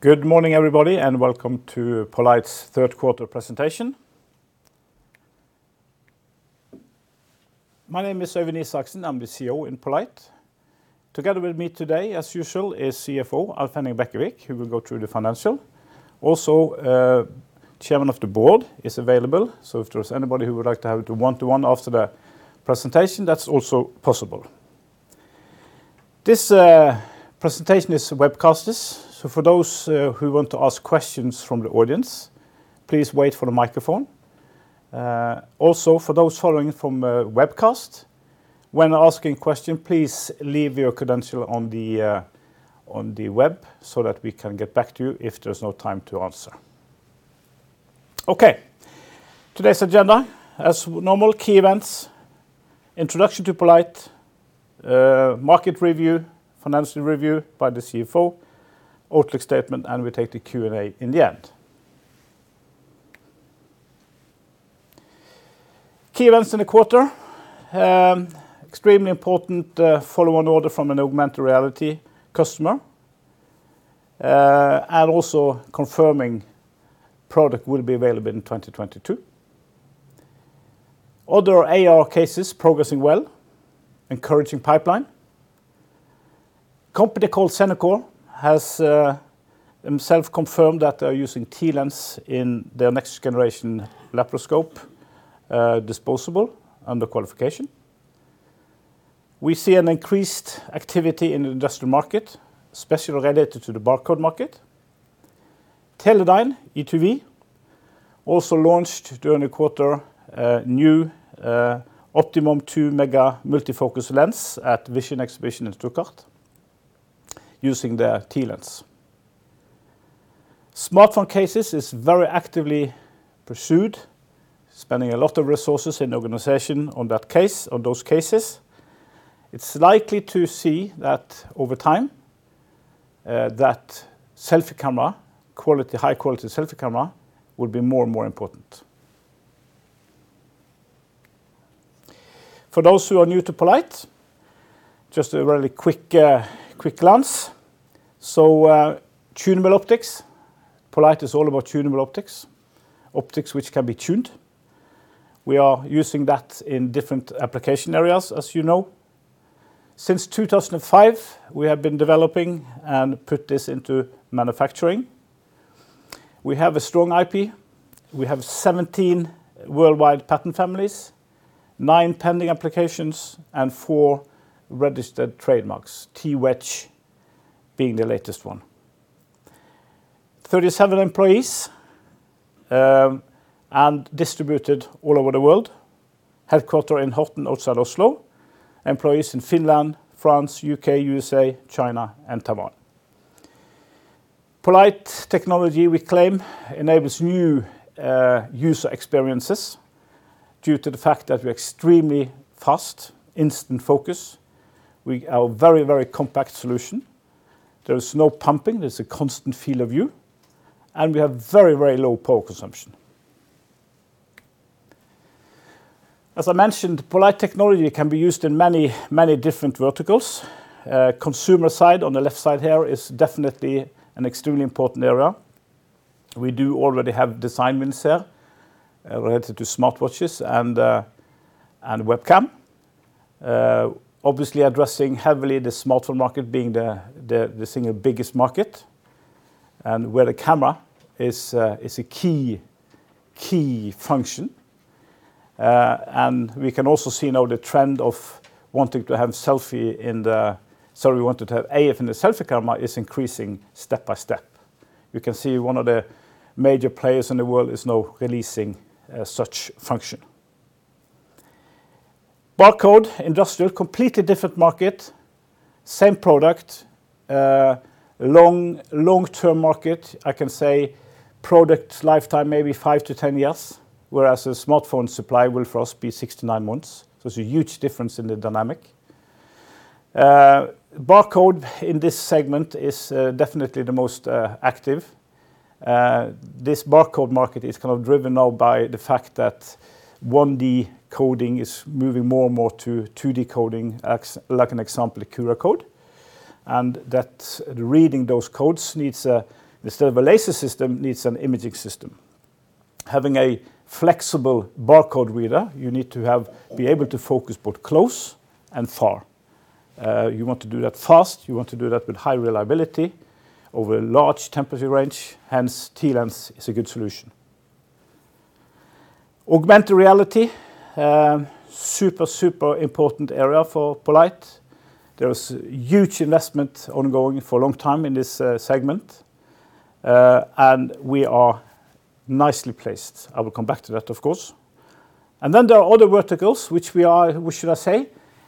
Good morning, everybody, and welcome to poLight's Q3 presentation. My name is Øyvind Isaksen. I'm the CEO in poLight. Together with me today, as usual, is CFO Alf Henning Bekkevik, who will go through the financial. Also, chairman of the board is available, so if there's anybody who would like to have a one-to-one after the presentation, that's also possible. This presentation is webcast, so for those who want to ask questions from the audience, please wait for the microphone. Also for those following from webcast, when asking question, please leave your credentials on the web so that we can get back to you if there's no time to answer. Okay. Today's agenda as normal key events, introduction to poLight, market review, financial review by the CFO, outlook statement, and we take the Q&A in the end. Key events in the quarter. Extremely important follow-on order from an augmented reality customer, and also confirming product will be available in 2022. Other AR cases progressing well. Encouraging pipeline. Company called Xenocor has themself confirmed that they're using TLens in their next generation laparoscope, disposable under qualification. We see an increased activity in industrial market, especially related to the barcode market. Teledyne e2v also launched during the quarter a new Optimum2M multi-focus lens at VISION exhibition in Stuttgart using the TLens. Smartphone cases is very actively pursued, spending a lot of resources in organization on those cases. It's likely to see that over time, that high quality selfie camera will be more and more important. For those who are new to poLight, just a really quick glance. Tunable optics. poLight is all about tunable optics which can be tuned. We are using that in different application areas, as you know. Since 2005, we have been developing and put this into manufacturing. We have a strong IP. We have 17 worldwide patent families, nine pending applications, and four registered trademarks, TWedge being the latest one. 37 employees and distributed all over the world. Headquarters in Horten outside Oslo. Employees in Finland, France, U.K., USA, China, and Taiwan. poLight technology, we claim, enables new user experiences due to the fact that we're extremely fast, instant focus. We are a very compact solution. There is no pumping. There's a constant field of view. We have very low power consumption. As I mentioned, poLight technology can be used in many different verticals. Consumer side, on the left side here, is definitely an extremely important area. We do already have design wins here, related to smartwatches and webcam. Obviously, addressing heavily the smartphone market being the single biggest market and where the camera is a key function. We can also see now the trend of wanting to have AF in the selfie camera is increasing step by step. You can see one of the major players in the world is now releasing such function. Barcode, industrial, completely different market, same product. Long-term market, I can say product lifetime maybe 5-10 years, whereas a smartphone supply will, for us, be 6-9 months. There's a huge difference in the dynamic. Barcode in this segment is definitely the most active. This barcode market is driven now by the fact that 1D coding is moving more and more to 2D coding, like an example, a QR code. That reading those codes needs, instead of a laser system, an imaging system. Having a flexible barcode reader, you need to be able to focus both close and far. You want to do that fast, you want to do that with high reliability over a large temperature range, hence TLens is a good solution. Augmented reality, super important area for poLight. There is huge investment ongoing for a long time in this segment, and we are nicely placed. I will come back to that, of course. Then there are other verticals which we are, what should I say,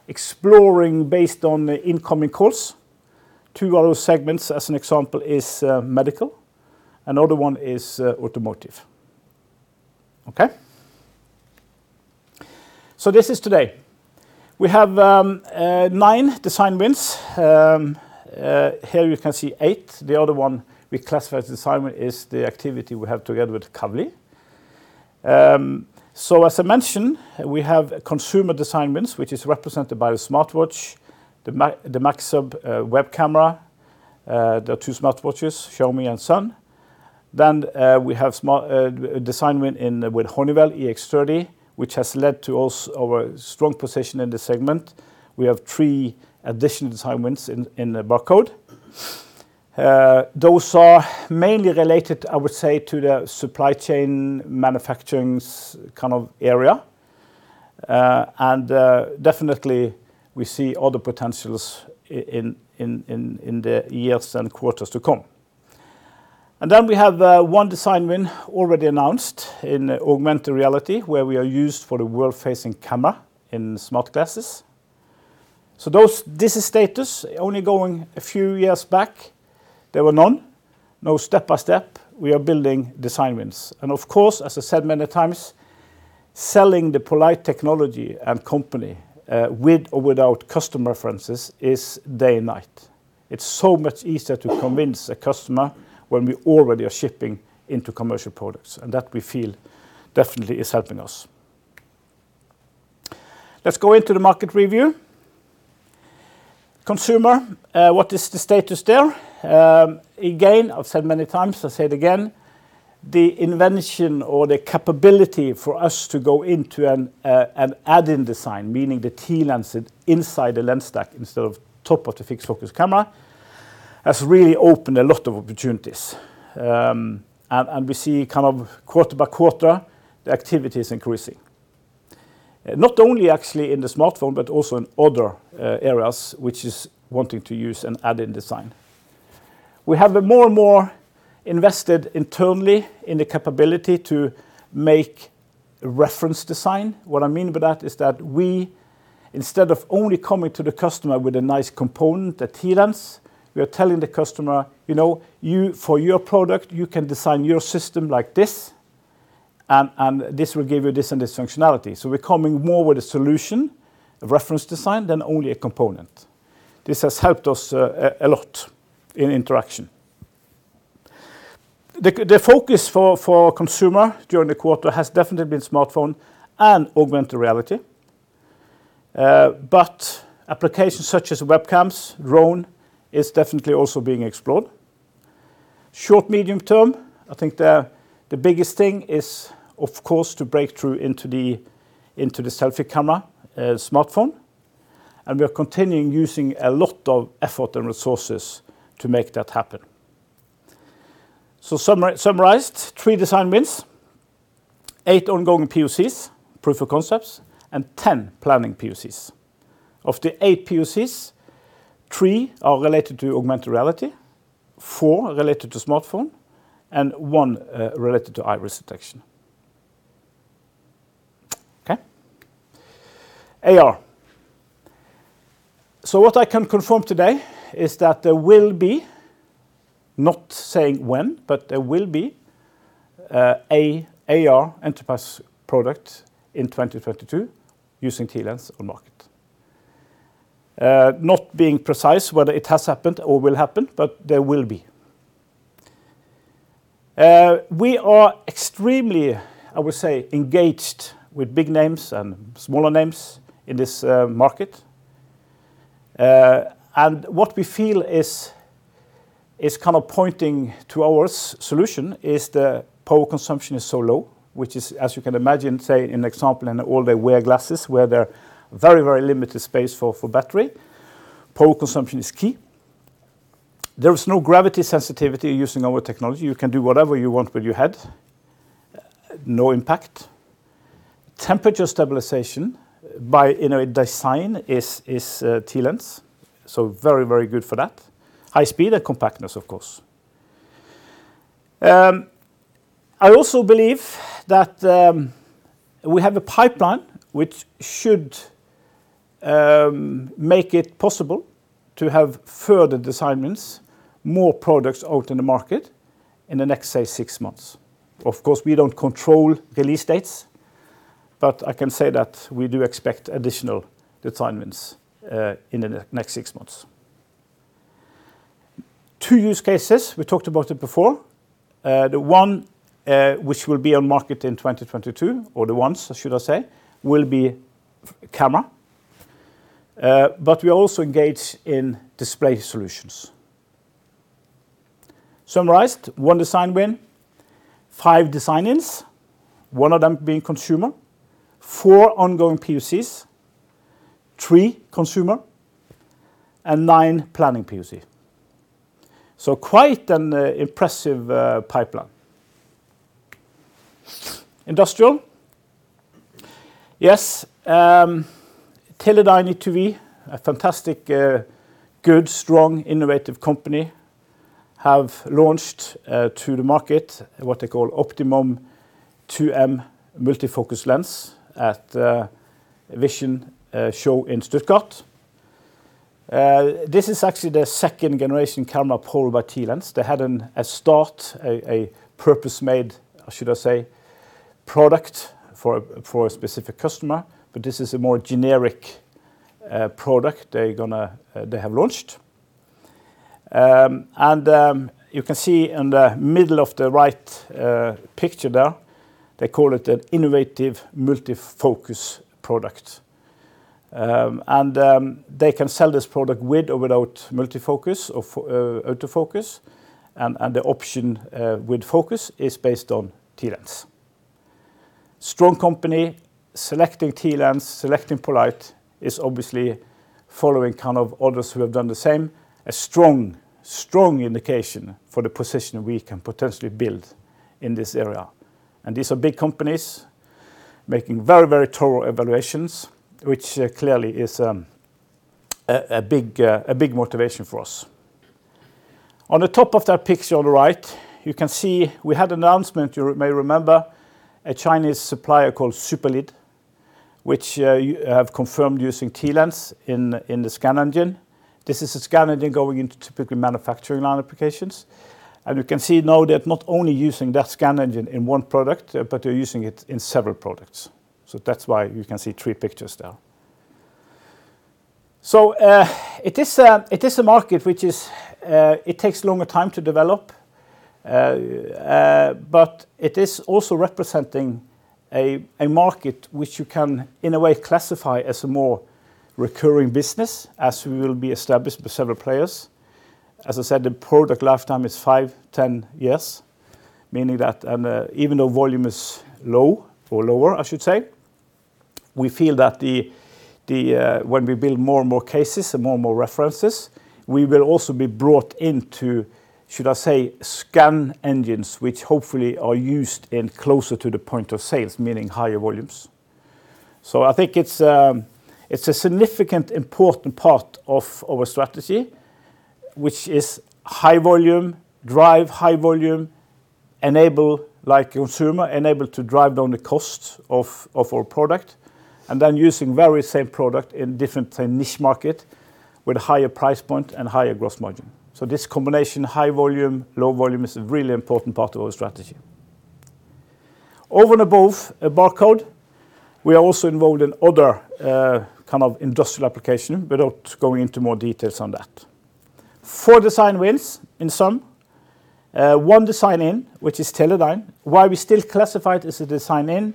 exploring based on the incoming calls. Two other segments, as an example, is medical, another one is automotive. This is today. We have nine design wins. Here you can see eight. The other one we classified the design win is the activity we have together with Kavli. As I mentioned, we have consumer design wins, which is represented by the smartwatch, the MAXHUB web camera. There are two smartwatches, Xiaomi and SUN. We have smart design win in with Honeywell EX30, which has led to our strong position in this segment. We have three additional design wins in barcode. Those are mainly related, I would say, to the supply chain manufacturing's area. Definitely, we see other potentials in the years and quarters to come. We have one design win already announced in augmented reality, where we are used for the world-facing camera in smart glasses. This is status only going a few years back, there were none. Now step by step, we are building design wins. Of course, as I said many times, selling the poLight technology and company with or without customer references is day and night. It's so much easier to convince a customer when we already are shipping into commercial products, and that we feel definitely is helping us. Let's go into the market review. Consumer, what is the status there? Again, I've said many times, I say it again, the invention or the capability for us to go into an add-in design, meaning the TLens inside the lens stack instead of top of the fixed focus camera, has really opened a lot of opportunities. We see quarter by quarter, the activity is increasing. Not only actually in the smartphone, but also in other areas which is wanting to use an add-in design. We have been more and more invested internally in the capability to make reference design. What I mean by that is that, instead of only coming to the customer with a nice component, a TLens, we are telling the customer, "You know, for your product, you can design your system like this, and this will give you this and this functionality." We're coming more with a solution, a reference design, than only a component. This has helped us a lot in interaction. The focus for consumer during the quarter has definitely been smartphone and augmented reality. Applications such as webcams, drone, is definitely also being explored. Short-medium term, I think the biggest thing is, of course, to break through into the selfie camera smartphone, and we are continuing using a lot of effort and resources to make that happen. Summarized, three design wins, eight ongoing POCs, proof of concepts, and 10 planning POCs. Of the eight POCs, three are related to augmented reality, four related to smartphone, and one related to iris detection. AR. What I can confirm today is that there will be, not saying when, but there will be AR enterprise product in 2022 using TLens on market. Not being precise whether it has happened or will happen, but there will be. We are extremely, I would say, engaged with big names and smaller names in this market. What we feel is pointing to our solution is the power consumption is so low, which is, as you can imagine, say in example, in all the wearable glasses, where there very, very limited space for battery. Power consumption is key. There is no gravity sensitivity using our technology. You can do whatever you want with your head, no impact. Temperature stabilization by inner design is TLens, very good for that. High speed and compactness, of course. I also believe that we have a pipeline which should make it possible to have further design wins, more products out in the market in the next, say, six months. Of course, we don't control release dates, but I can say that we do expect additional design wins in the next six months. Two use cases, we talked about it before. The one which will be on market in 2022, or the ones, should I say, will be for camera. But we also engage in display solutions. Summarized, one design win, five design-ins, one of them being consumer, four ongoing POCs, three consumer, and nine planning POC. Quite an impressive pipeline. Industrial. Teledyne e2v, a fantastic, good, strong, and innovative company, have launched to the market what they call Optimum2M multi-focus lens at VISION show in Stuttgart. This is actually the second generation camera powered by TLens. They had a purpose-made, should I say, product for a specific customer, but this is a more generic product they're going to they have launched. You can see in the middle of the right picture there, they call it an innovative multi-focus product. They can sell this product with or without multi-focus or auto focus and the option with focus is based on TLens. Strong company selecting TLens, selecting poLight is obviously following others who have done the same. A strong indication for the position we can potentially build in this area. These are big companies making very thorough evaluations, which clearly is a big motivation for us. On the top of that picture on the right, you can see we had announcement. You may remember a Chinese supplier called Superlead, which have confirmed using TLens in the scan engine. This is a scan engine going into typical manufacturing line applications. You can see now they're not only using that scan engine in one product, but they're using it in several products. That's why you can see three pictures there. It is a market which takes longer time to develop, but it is also representing a market which you can, in a way classify as a more recurring business as we will be established with several players. As I said, the product lifetime is 5-10 years, meaning that even though volume is low or lower, I should say, we feel that the when we build more and more cases and more and more references, we will also be brought into, should I say, scan engines, which hopefully are used closer to the point of sales, meaning higher volumes. I think it's a significant important part of our strategy, which is drive high volume, like consumer, enable to drive down the cost of our product, and then using very same product in different niche market with higher price point and higher gross margin. This combination, high volume, low volume, is a really important part of our strategy. Over and above barcode, we are also involved in other industrial application without going into more details on that. Four design wins in sum, one design-in, which is Teledyne. Why we still classified as a design-in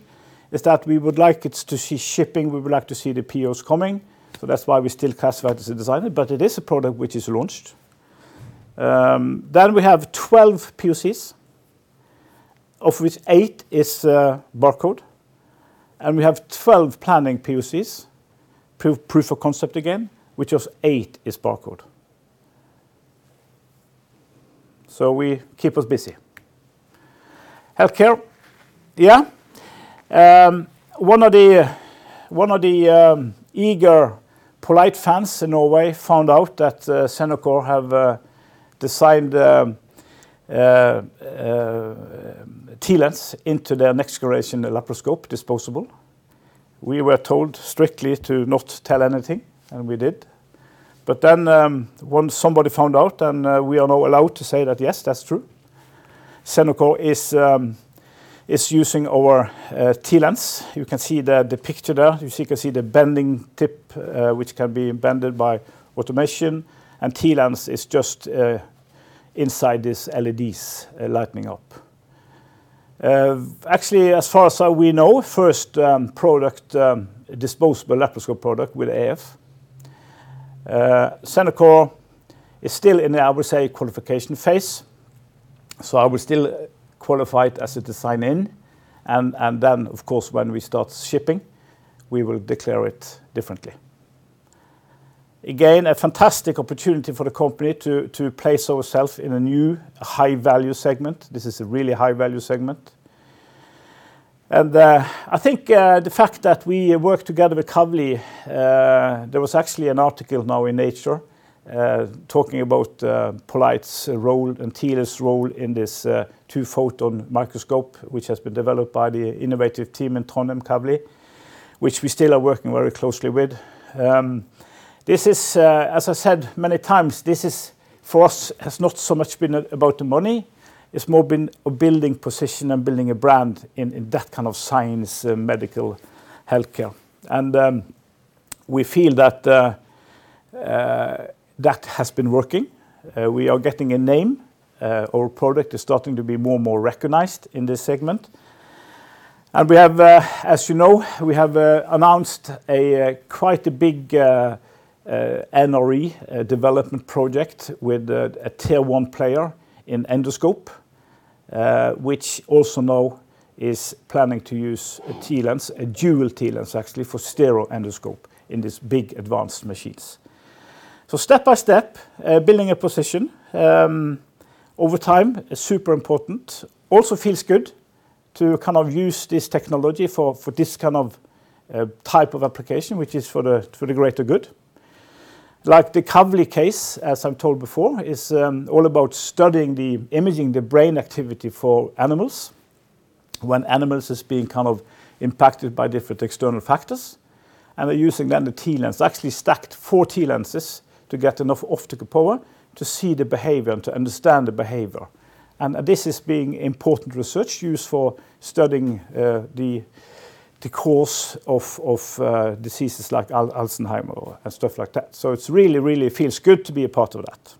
is that we would like to see it shipping, we would like to see the POs coming, so that's why we still classified as a design-in, but it is a product which is launched. We have 12 POCs, of which eight is barcode, and we have 12 planning POCs, proof of concept again, of which eight is barcode. We keep us busy. Healthcare. One of the eager poLight fans in Norway found out that Xenocor have designed TLens into their next generation laparoscope disposable. We were told strictly to not tell anything, and we did. When somebody found out and we are now allowed to say that, yes, that's true. Xenocor is using our TLens. You can see the picture there. You can see the bending tip, which can be bended by automation, and TLens is just inside these LEDs lighting up. Actually, as far as we know, first disposable laparoscope product with AF. Xenocor is still in the, I would say, qualification phase, so I will still qualify it as a design-in and then of course, when we start shipping, we will declare it differently. Again, a fantastic opportunity for the company to place ourselves in a new high-value segment. This is a really high-value segment. I think the fact that we work together with Kavli, there was actually an article now in Nature, talking about poLight's role and TLens role in this two-photon microscope, which has been developed by the innovative team in Trondheim Kavli, which we still are working very closely with. This is, as I said many times, this is for us, has not so much been about the money. It's more been building position and building a brand in that science, medical, healthcare. We feel that that has been working. We are getting a name, our product is starting to be more and more recognized in this segment. We have, as announced a quite a big NRE development project with a tier one player in endoscope, which also now is planning to use a TLens, a dual TLens actually for stereo endoscope in these big advanced machines. Step by step, building a position over time is super important. Also feels good to use this technology for this type of application, which is for the greater good. Like the Kavli case, as I've told before, is all about studying imaging the brain activity for animals when animals is being impacted by different external factors. They're using then the TLens, actually stacked four TLenses to get enough optical power to see the behavior and to understand the behavior. This is being important research used for studying the cause of diseases like Alzheimer and stuff like that. It really feels good to be a part of that.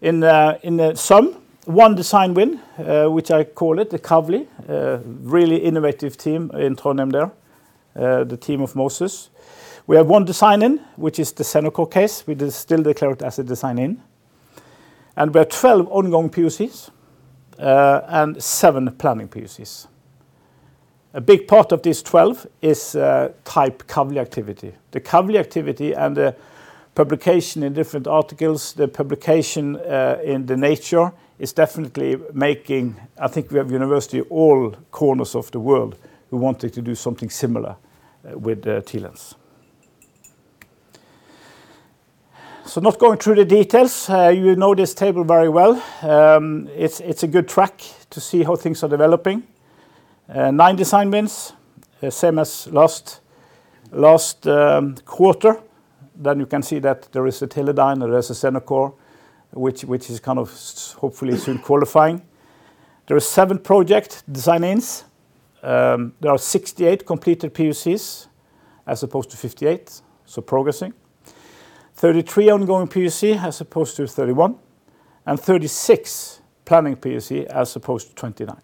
In the sum, one design win, which I call it the Kavli, a really innovative team in Trondheim there, the team of Moser. We have one design in, which is the Xenocor case. We still declare it as a design in. We have 12 ongoing POCs and eight planning POCs. A big part of these 12 is type Kavli activity. The Kavli activity and the publication in different articles in Nature is definitely making. I think we have universities in all corners of the world who want to do something similar with the TLens. Not going through the details, you know this table very well. It's a good track to see how things are developing. Nine design wins, same as last quarter. Then you can see that there is a Teledyne, there is a Xenocor, which is hopefully soon qualifying. There are seven project design-ins. There are 68 completed POCs as opposed to 58, so progressing. 33 ongoing POC as opposed to 31, and 36 planning POC as opposed to 29.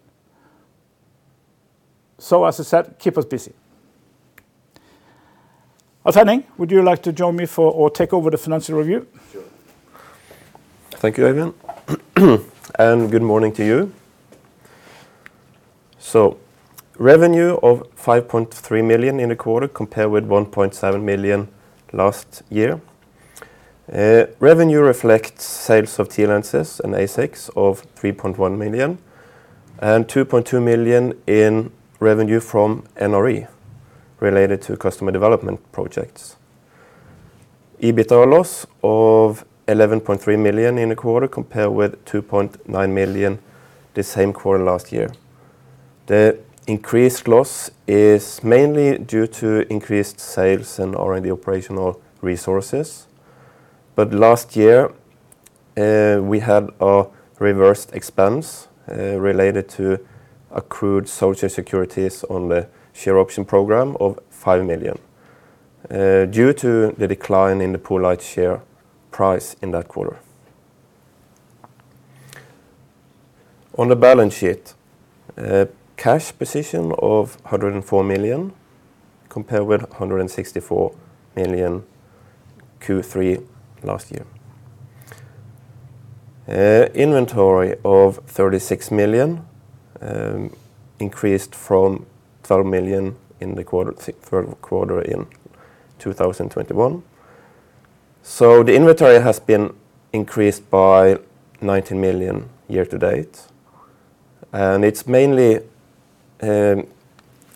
As I said, keep us busy. Alf Henning, would you like to join me for or take over the financial review? Sure. Thank you, Øyvind Isaksen, and good morning to you. Revenue of 5.3 million in the quarter compared with 1.7 million last year. Revenue reflects sales of TLenses and ASICs of 3.1 million, and 2.2 million in revenue from NRE related to customer development projects. EBITDA loss of 11.3 million in the quarter compared with 2.9 million the same quarter last year. The increased loss is mainly due to increased sales and R&D operational resources. Last year, we had a reversed expense related to accrued social securities on the share option program of 5 million due to the decline in the poLight share price in that quarter. On the balance sheet, a cash position of 104 million compared with 164 million Q3 last year. Inventory of 36 million increased from 12 million in Q3 in 2021. The inventory has been increased by 19 million year to date, and it's mainly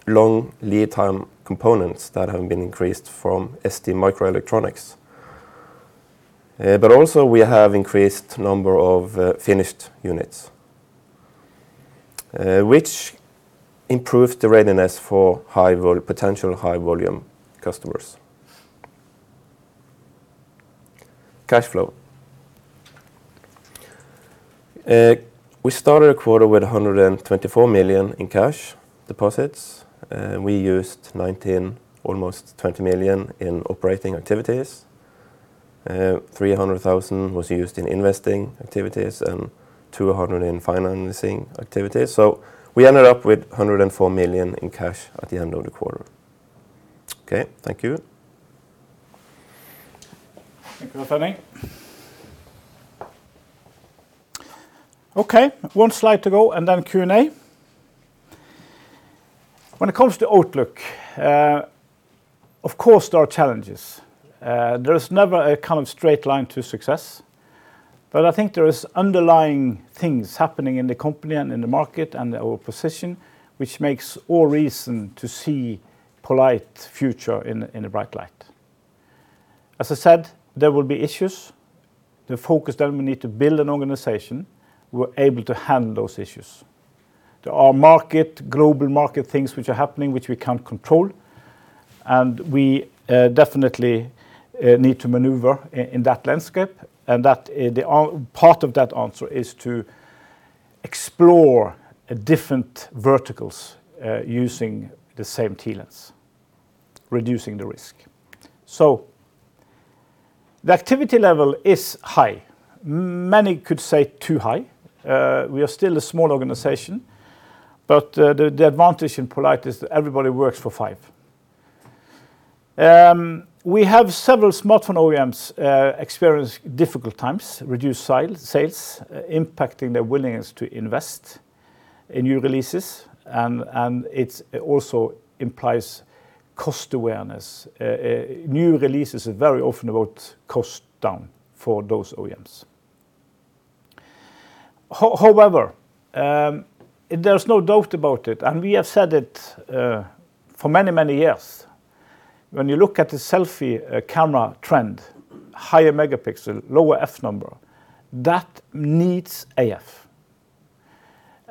long lead time components that have been increased from STMicroelectronics. But also we have increased number of finished units, which improved the readiness for potential high volume customers. Cash flow. We started the quarter with 124 million in cash deposits. We used 19, almost 20 million in operating activities. 300,000 was used in investing activities and 200 in financing activities. We ended up with 104 million in cash at the end of the quarter. Okay, thank you. Thank you, Alf Henning. Okay, one slide to go and then Q&A. When it comes to outlook, of course, there are challenges. There is never a straight line to success, but I think there is underlying things happening in the company and in the market and our position, which makes all reason to see poLight's future in a bright light. As I said, there will be issues. The focus then we need to build an organization, we're able to handle those issues. There are market, global market things which are happening which we can't control, and we definitely need to maneuver in that landscape, and that the part of that answer is to explore different verticals, using the same TLens, reducing the risk. The activity level is high. Many could say too high. We are still a small organization, but the advantage in poLight is that everybody works for five. We have several smartphone OEMs experience difficult times, reduced sales, impacting their willingness to invest in new releases, and it also implies cost awareness. New releases are very often about cost down for those OEMs. However, there's no doubt about it, and we have said it for many years, when you look at the selfie camera trend, higher megapixel, lower F number, that needs AF,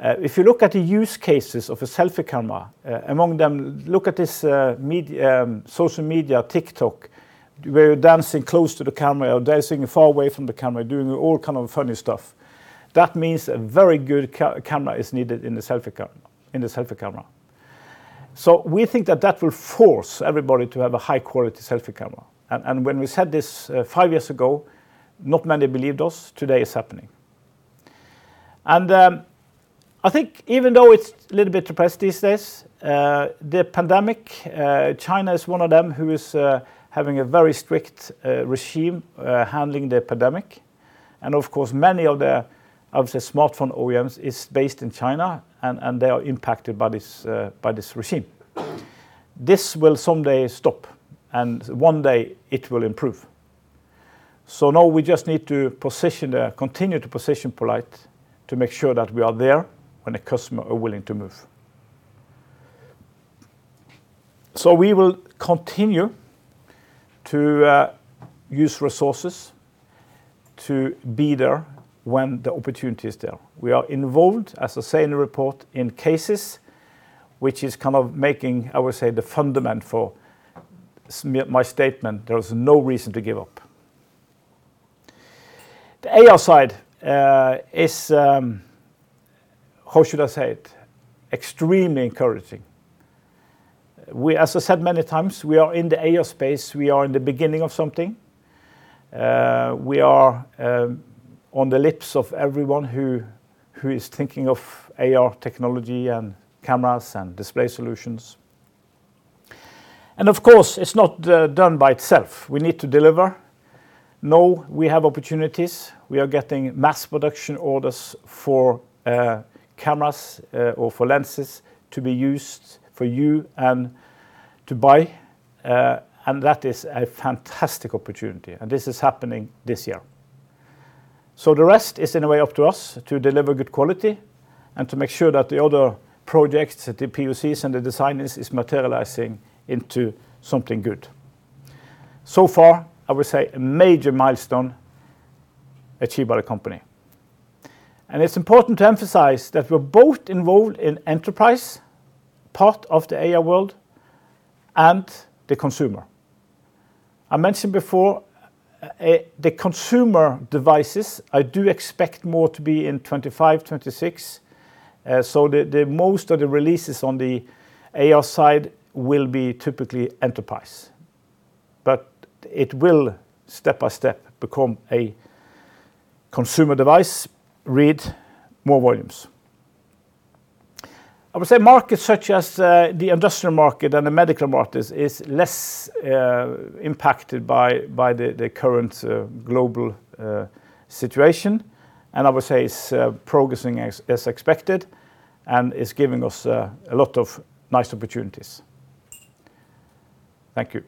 if you look at the use cases of a selfie camera, among them, look at this social media, TikTok, where you're dancing close to the camera or dancing far away from the camera, doing all funny stuff. That means a very good camera is needed in the selfie camera. We think that will force everybody to have a high-quality selfie camera. When we said this five years ago, not many believed us. Today it's happening. I think even though it's a little bit depressed these days, the pandemic, China is one of them who is having a very strict regime handling the pandemic. Of course, many of the smartphone OEMs is based in China and they are impacted by this regime. This will someday stop, and one day it will improve. Now, we just need to continue to position poLight to make sure that we are there when the customer are willing to move. We will continue to use resources to be there when the opportunity is there. We are involved, as I say in the report, in cases which is making, I would say, the fundament for my statement. There is no reason to give up. The AR side is, how should I say it, extremely encouraging. As I said many times, we are in the AR space. We are in the beginning of something. We are on the lips of everyone who is thinking of AR technology and cameras and display solutions. Of course, it's not done by itself. We need to deliver. Now we have opportunities. We are getting mass production orders for cameras or for lenses to be used for AR and consumer and that is a fantastic opportunity, and this is happening this year. The rest is, in a way, up to us to deliver good quality and to make sure that the other projects, the POCs and the design is materializing into something good. So far, I would say a major milestone achieved by the company. It's important to emphasize that we're both involved in enterprise part of the AR world and the consumer. I mentioned before, the consumer devices, I do expect more to be in 2025, 2026. The most of the releases on the AR side will be typically enterprise. It will step-by-step become a consumer device, leading to more volumes. I would say markets such as the industrial market and the medical markets is less impacted by the current global situation. I would say it's progressing as expected and is giving us a lot of nice opportunities. Thank you.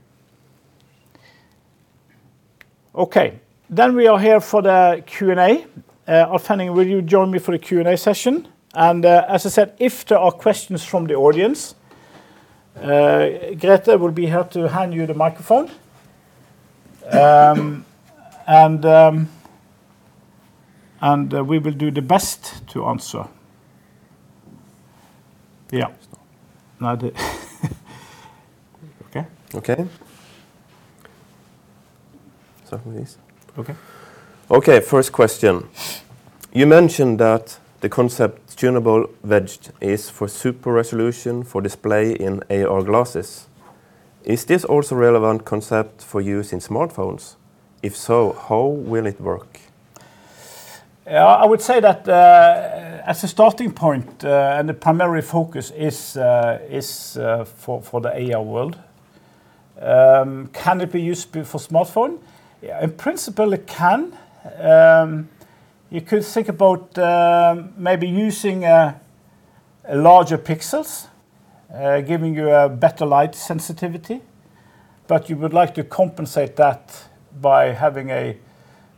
We are here for the Q&A. Alf Henning, will you join me for the Q&A session? As I said, if there are questions from the audience, Grethe will be here to hand you the microphone. We will do the best to answer. Okay. Start with this? Okay. Okay, first question. You mentioned that the concept tunable TWedge is for super resolution for display in AR glasses. Is this also relevant concept for use in smartphones? If so, how will it work? Yes. I would say that, as a starting point, and the primary focus is for the AR world. Can it be used for smartphone? In principle, it can. You could think about maybe using larger pixels, giving you a better light sensitivity, but you would like to compensate that by having a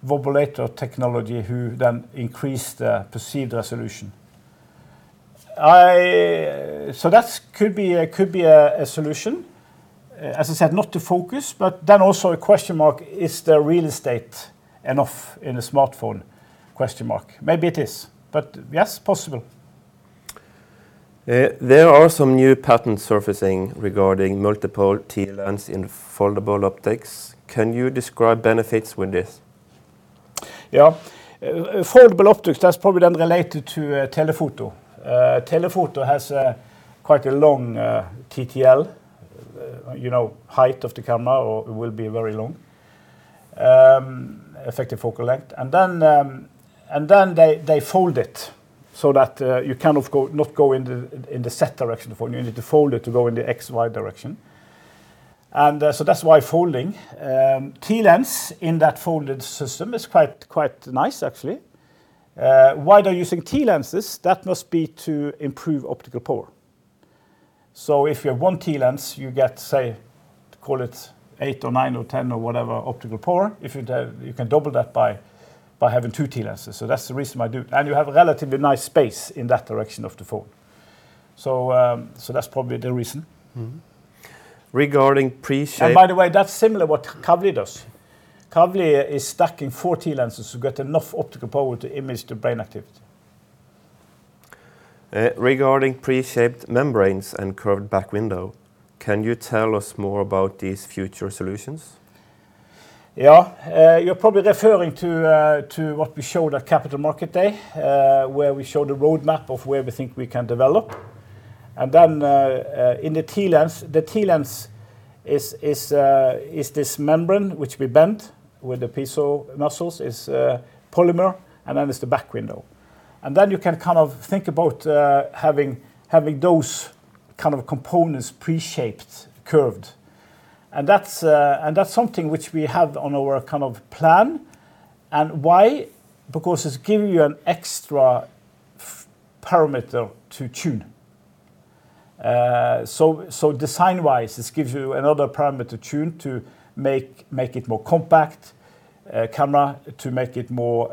wobulator technology who then increase the perceived resolution. That could be a solution. As I said, not the focus, but then also a question mark, is the real estate enough in a smartphone? Question mark. Maybe it is. Yes, possible. There are some new patents surfacing regarding multiple TLens in folded optics. Can you describe benefits with this? Yes. Folded optics, that's probably then related to telephoto. Telephoto has a quite a long TTL, height of the camera or will be very long effective focal length. They fold it so that you not go in the Z direction to fold. You need to fold it to go in the X-Y direction. That's why folding. TLens in that folded system is quite nice actually. Why they're using TLenses, that must be to improve optical power. If you have one TLens, you get, say, call it eight or nine or 10 or whatever optical power. If you double, you can double that by having two TLenses. That's the reason why and you have a relatively nice space in that direction of the phone. That's probably the reason. Regarding pre-shaped. By the way, that's similar what Kavli does. Kavli is stacking four TLenses to get enough optical power to image the brain activity. Regarding pre-shaped membranes and curved back window, can you tell us more about these future solutions? Yes. You're probably referring to what we showed at Capital Markets Day, where we showed a roadmap of where we think we can develop. In the TLens, the TLens is this membrane which we bent with the piezo muscles. It's polymer, and then it's the back window. You can think about having those components pre-shaped, curved, and that's something which we have on our plan. Why? Because it's giving you an extra parameter to tune. Design-wise, this gives you another parameter to tune to make it more compact camera, to make it more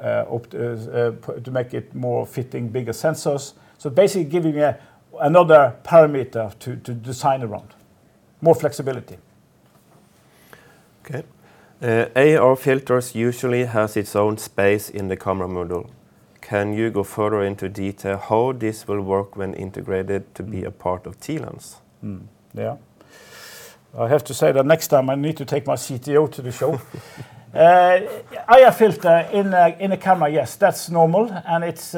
fitting bigger sensors. Basically, giving you another parameter to design around. More flexibility. Okay. IR filters usually has its own space in the camera module. Can you go further into detail how this will work when integrated to be a part of TLens? I have to say that next time I need to take my CTO to the show. IR filter in a camera, yes, that's normal, and it's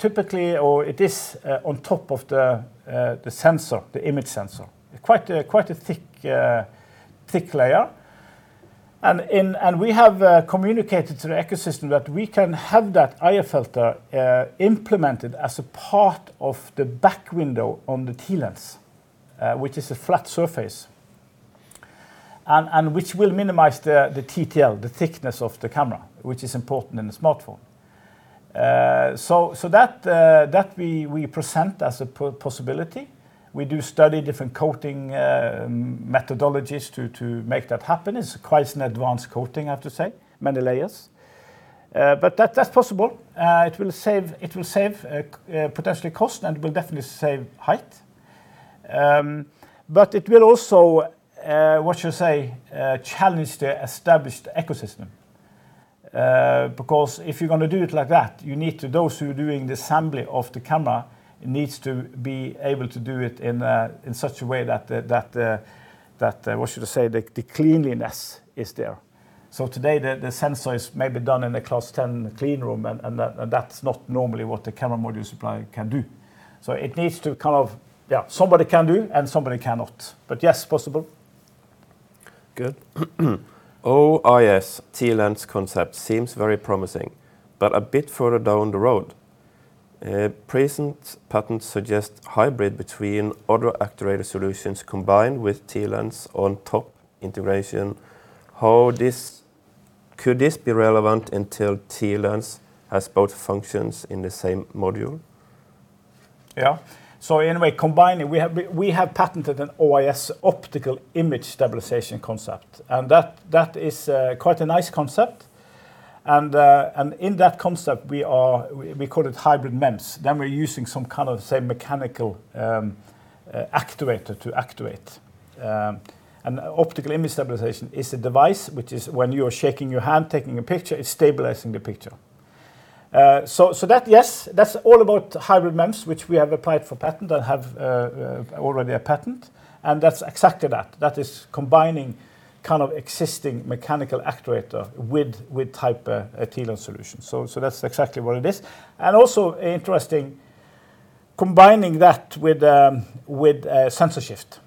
typically or it is on top of the sensor, the image sensor. Quite a thick layer, and we have communicated to the ecosystem that we can have that IR filter implemented as a part of the back window on the TLens, which is a flat surface and which will minimize the TTL, the thickness of the camera, which is important in the smartphone. That we present as a possibility. We do study different coating methodologies to make that happen. It's quite an advanced coating, I have to say. Many layers. But that's possible. It will save potentially cost and will definitely save height. It will also challenge the established ecosystem. Because if you're going to do it like that, you need to those who are doing the assembly of the camera needs to be able to do it in such a way that the cleanliness is there. Today, the sensor is maybe done in a Class 10 clean room, and that's not normally what the camera module supplier can do. It needs to. Somebody can do and somebody cannot. Yes, possible. Good. OIS TLens concept seems very promising, but a bit further down the road. Present patent suggest hybrid between other actuator solutions combined with TLens on top integration. Could this be relevant until TLens has both functions in the same module? Combining, we have patented an OIS optical image stabilization concept, and that is quite a nice concept. In that concept, we call it hybrid MEMS. We're using some, say, mechanical actuator to actuate. Optical image stabilization is a device which is when you are shaking your hand, taking a picture, it's stabilizing the picture. Yes, that's all about hybrid MEMS which we have applied for patent and have already a patent, and that's exactly that. That is combining existing mechanical actuator with type TLens solution. That's exactly what it is. Also interesting, combining that with sensor shift,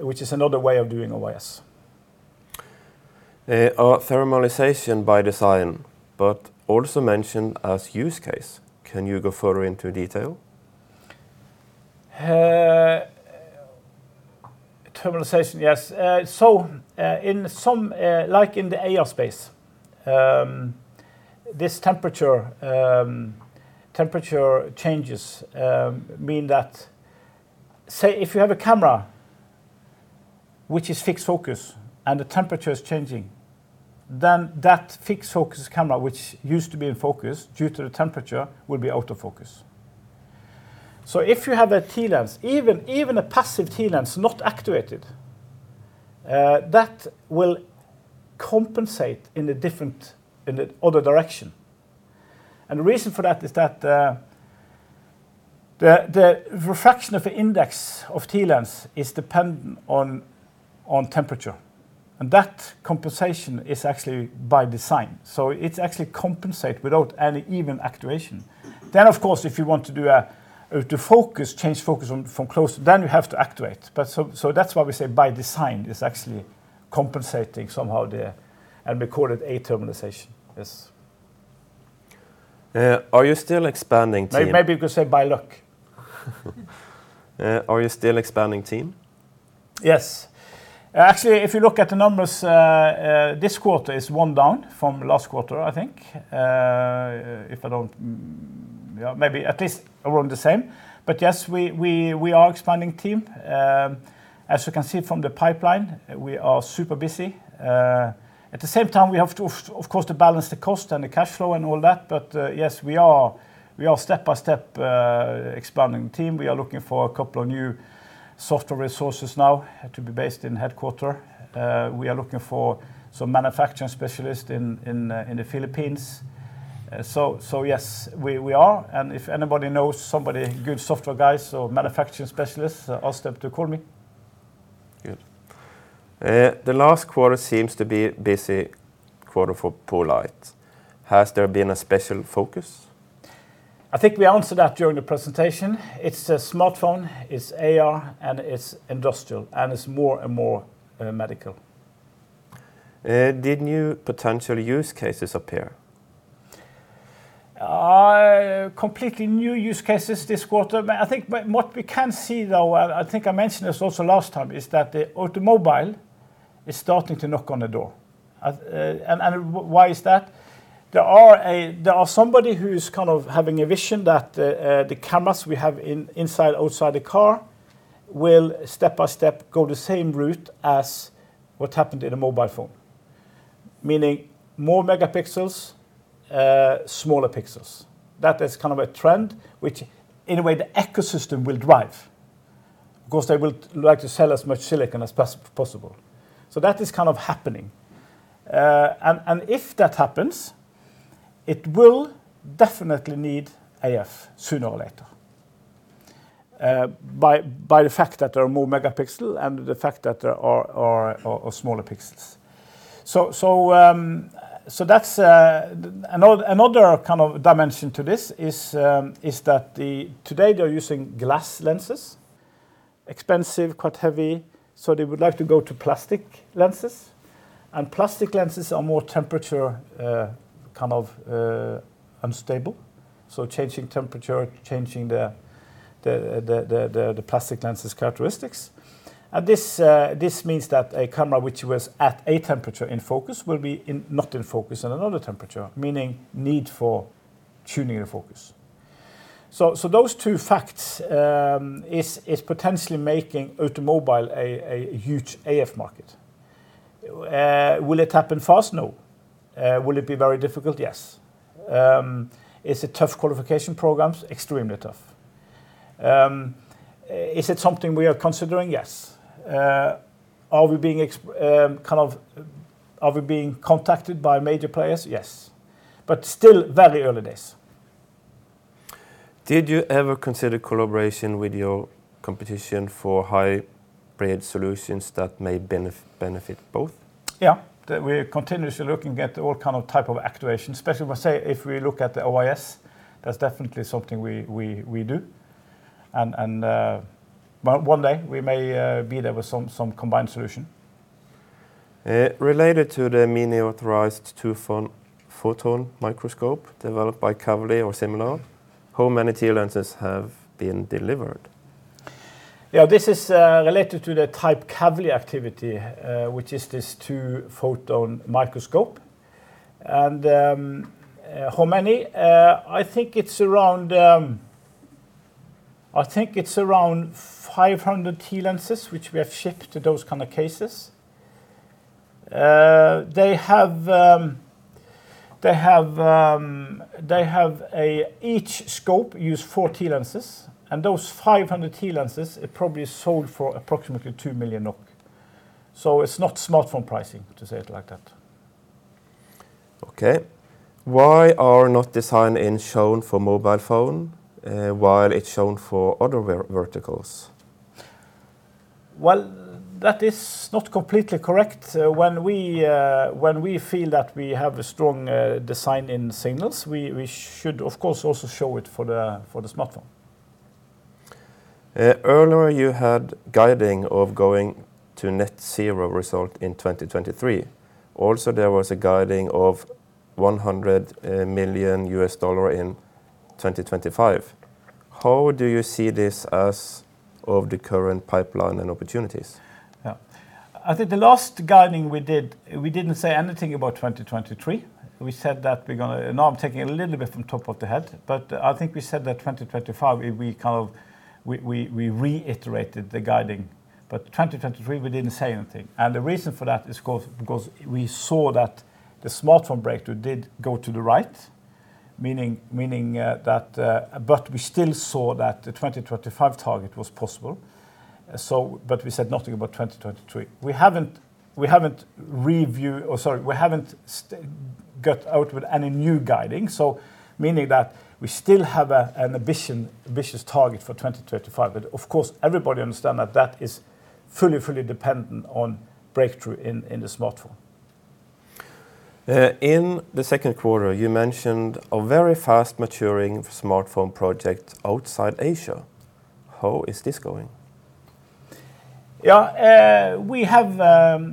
which is another way of doing OIS. Athermalization by design but also mentioned as use case. Can you go further into detail? Athermalization, yes. In some, like in the AR space, this temperature changes. Means that, say, if you have a camera which is fixed focus and the temperature is changing, then that fixed focus camera which used to be in focus, due to the temperature will be out of focus. If you have a TLens, even a passive TLens not activated, that will compensate in a different direction. The reason for that is that the refraction of the index of TLens is dependent on temperature, and that compensation is actually by design, so it's actually compensate without any even actuation. Of course, if you want to change focus from close, then you have to actuate. That's why we say by design. It's actually compensating somehow there, and we call it athermalization. Yes. Are you still expanding team? Maybe you could say by luck. Are you still expanding team? Yes. Actually, if you look at the numbers, this quarter is one down from last quarter, I think. Yes, maybe at least around the same. We are expanding team. As you can see from the pipeline, we are super busy. At the same time, we have to, of course, balance the cost and the cash flow and all that. Yes, we are step-by-step expanding team. We are looking for a couple of new software resources now to be based in headquarters. We are looking for some manufacturing specialist in the Philippines. Yes, we are, and if anybody knows somebody, good software guys or manufacturing specialists, ask them to call me. Good. The last quarter seems to be a busy quarter for poLight. Has there been a special focus? I think we answered that during the presentation. It's the smartphone, it's AR, and it's industrial, and it's more and more, medical. Did new potential use cases appear? Completely new use cases this quarter. I think what we can see though, I think I mentioned this also last time, is that the automobile is starting to knock on the door. Why is that? There is somebody who's having a vision that, the cameras we have inside, outside the car will step-by-step go the same route as what happened in a mobile phone. Meaning more megapixels, smaller pixels. That is a trend which in a way the ecosystem will drive because they will like to sell as much silicon as possible. That is happening. If that happens, it will definitely need AF sooner or later, by the fact that there are more megapixel and the fact that there are smaller pixels. That's another dimension to this is that today, they're using glass lenses, expensive, quite heavy, so they would like to go to plastic lenses, and plastic lenses are more temperature unstable, so changing temperature, changing the plastic lens' characteristics. This means that a camera which was at a temperature in focus will be not in focus on another temperature, meaning need for tuning the focus. Those two facts is potentially making automotive a huge AF market. Will it happen fast? No. Will it be very difficult? Yes. Is it tough qualification programs? Extremely tough. Is it something we are considering? Yes. Are we being contacted by major players? Yes. Still very early days. Did you ever consider collaboration with your competition for hybrid solutions that may benefit both? Yes. We're continuously looking at all type of actuation, especially if I say, if we look at the OIS, that's definitely something we do. One day we may be there with some combined solutions. Related to the miniaturized two-photon microscope developed by Kavli or similar, how many TLenses have been delivered? Yes. This is related to the type Kavli activity, which is this two-photon microscope. How many? I think it's around 500 TLenses which we have shipped to those cases. Each scope use four TLenses, and those 500 TLenses are probably sold for approximately 2 million NOK. It's not smartphone pricing, to say it like that. Okay. Why are not design-in shown for mobile phone, while it's shown for other verticals? Well, that is not completely correct. When we feel that we have a strong design wins, we should, of course, also show it for the smartphone. Earlier you had guidance of going to net zero result in 2023. Also, there was a guidance of $100 million in 2025. How do you see this as of the current pipeline and opportunities? I think the last guiding we did, we didn't say anything about 2023. We said that we're going to. Now, I'm taking a little bit from top of the head, but I think we said that 2025, we reiterated the guiding. 2023, we didn't say anything. The reason for that is because we saw that the smartphone breakthrough did go to the right, meaning that. We still saw that the 2025 target was possible. We said nothing about 2023. We haven't reviewed, or sorry, we haven't got out with any new guiding, meaning that we still have an ambitious target for 2025. Of course, everybody understand that that is fully dependent on breakthrough in the smartphone. In Q2, you mentioned a very fast maturing smartphone project outside Asia. How is this going? Yes. We have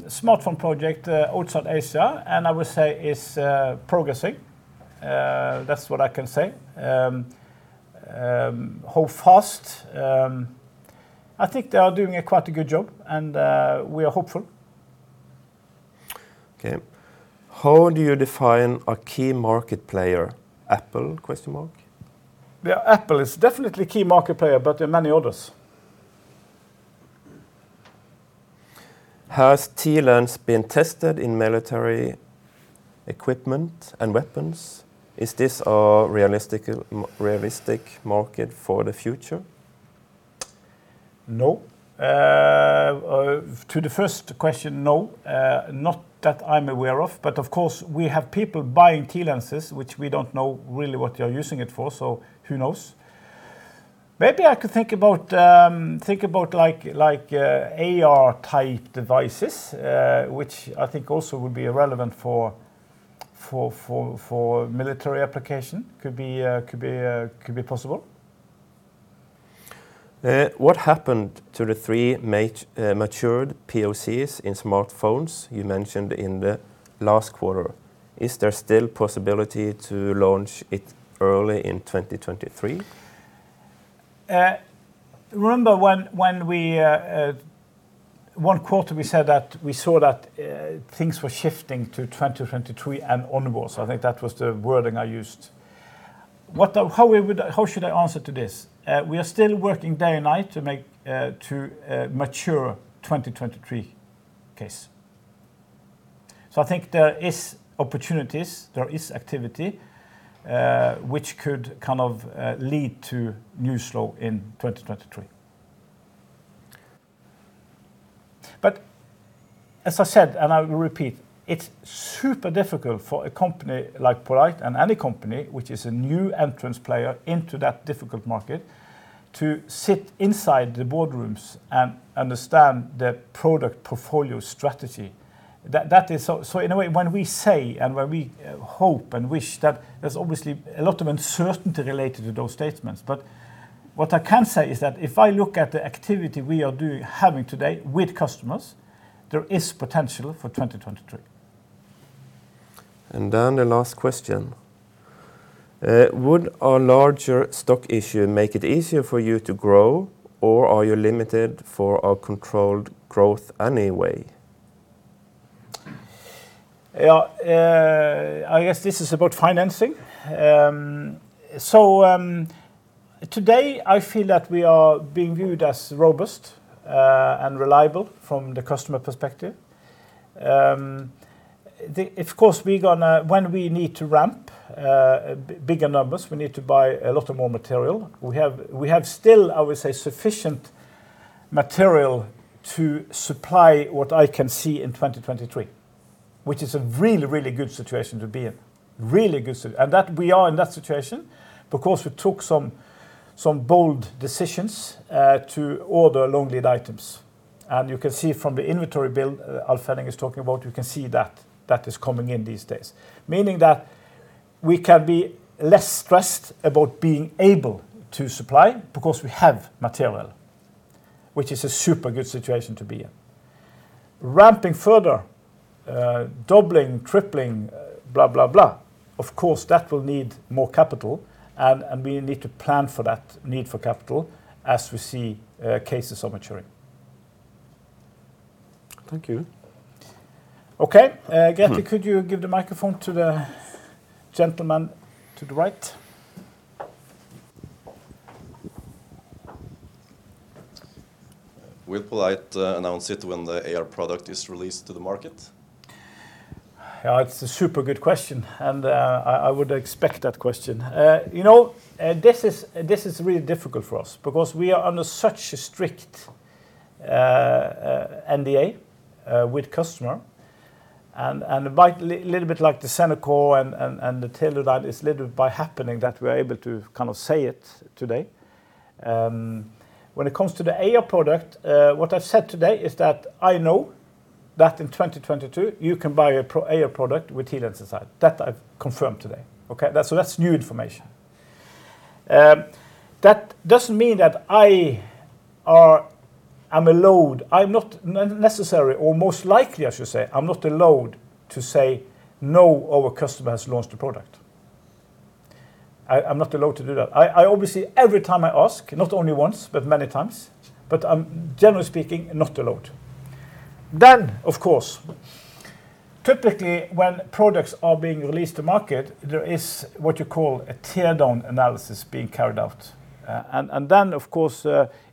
smartphone project outside Asia, and I would say it's progressing. That's what I can say. How fast? I think they are doing quite a good job, and we are hopeful. Okay. How do you define a key market player, Apple? Yes. Apple is definitely a key market player, but there are many others. Has TLens been tested in military equipment and weapons? Is this a realistic, more realistic market for the future? No. To the first question, no. Not that I'm aware of, but of course we have people buying TLenses which we don't know really what they are using it for, who knows? Maybe I could think about AR-type devices, which I think also would be relevant for military application. Could be possible. What happened to the three matured POCs in smartphones you mentioned in the last quarter? Is there still possibility to launch it early in 2023? Remember when we one quarter we said that we saw that things were shifting to 2023 and onwards. I think that was the wording I used. How should I answer this? We are still working day and night to mature 2023 case. I think there is opportunities, there is activity which could lead to new sales in 2023. As I said, and I will repeat, it's super difficult for a company like poLight and any company which is a new entrant player into that difficult market to sit inside the boardrooms and understand the product portfolio strategy. In a way, when we say and when we hope and wish that there's obviously a lot of uncertainty related to those statements. What I can say is that if I look at the activity we are doing, having today with customers, there is potential for 2023. The last question. Would a larger stock issue make it easier for you to grow or are you limited for a controlled growth anyway? Yes. I guess this is about financing. Today, I feel that we are being viewed as robust and reliable from the customer perspective. Of course, when we need to ramp bigger numbers, we need to buy a lot more material. We still have, I would say, sufficient material to supply what I can see in 2023, which is a really good situation to be in. Really good situation. We are in that situation because we took some bold decisions to order long lead items. You can see from the inventory build Alf Henning is talking about, you can see that is coming in these days, meaning that we can be less stressed about being able to supply because we have material, which is a super good situation to be in. Ramping further, doubling, tripling, blah, blah, blah, of course, that will need more capital and we need to plan for that need for capital as we see cases of maturing. Thank you. Okay. Grethe, could you give the microphone to the gentleman to the right? Will poLight announce it when the AR product is released to the market? Yes. It's a super good question, and I would expect that question. This is really difficult for us because we are under such a strict NDA with customer and like a little bit like the Xenocor and the Teledyne, it's a little bit of a happening that we're able to say it today. When it comes to the AR product, what I've said today is that I know that in 2022 you can buy a true AR product with TLens inside. That I've confirmed today. That's new information. That doesn't mean that I'm allowed. I'm not necessarily, or most likely I should say, I'm not allowed to say no other customer has launched the product. I'm not allowed to do that. I obviously every time I ask, not only once, but many times, but I'm generally speaking not allowed. Of course, typically when products are being released to market, there is what you call a teardown analysis being carried out.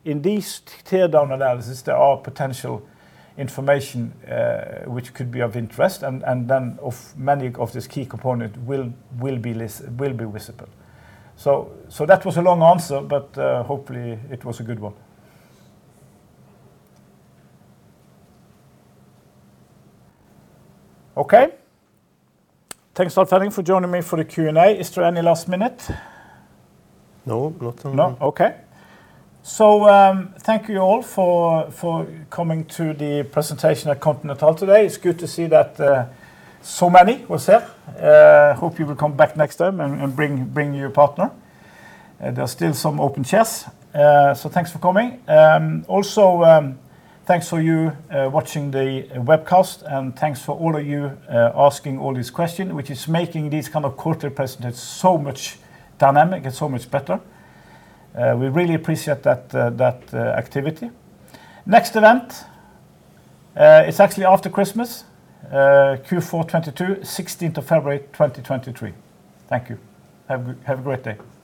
In these teardown analysis there are potential information which could be of interest and then of many of this key component will be visible. That was a long answer, but hopefully it was a good one. Thanks Alf Henning Bekkevik for joining me for the Q&A. Is there any last minute? No. Not anymore. Okay. Thank you all for coming to the presentation at Hotel Continental today. It's good to see that so many was here. Hope you will come back next time and bring your partner. There are still some open chairs. Thanks for coming. Also, thanks to you for watching the webcast and thanks for all of you asking all these questions which is making these quarterly presentations so much dynamic and so much better. We really appreciate that activity. Next event, it's actually after Christmas, Q4 2022, sixteenth of February 2023. Thank you. Have a great day. Thank you.